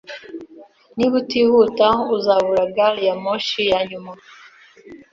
Niba utihuta, uzabura gari ya moshi yanyuma.